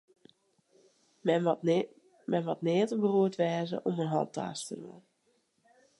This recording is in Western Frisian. Men moat nea te beroerd wêze om in hantaast te dwaan.